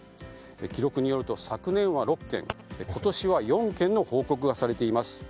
記録によると、昨年は６件今年は４件の報告があります。